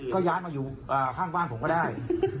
ก็ย้ายมาอยู่ข้างบ้านผมก็ได้